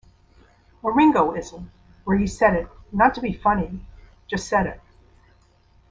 A Ringo-ism, where he said it not to be funny... just said it.